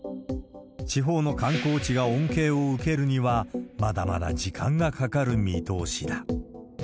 地方の観光地が恩恵を受けるには、まだまだ時間がかかる見通しだ。